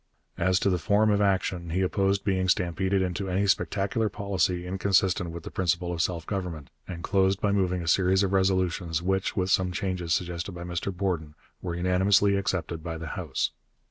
As to the form of action, he opposed being stampeded into any spectacular policy inconsistent with the principle of self government, and closed by moving a series of resolutions, which, with some changes suggested by Mr Borden, were unanimously accepted by the House.